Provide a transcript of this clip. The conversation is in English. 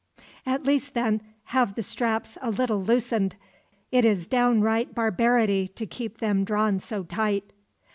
"At least, then, have the straps a little loosened. It is downright barbarity to keep them drawn so tight."